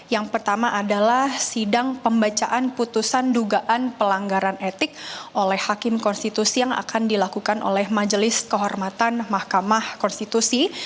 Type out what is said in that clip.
yang pertama adalah sidang pembacaan putusan dugaan pelanggaran etik oleh hakim konstitusi yang akan dilakukan oleh majelis kehormatan mahkamah konstitusi